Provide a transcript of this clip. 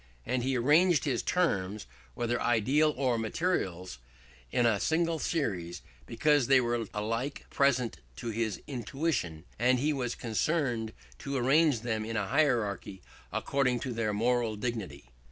And he arranged his terms, whether ideal or materials, in a single series, because they were alike present to his intuition, and he was concerned to arrange them in a hierarchy, according to their moral dignity.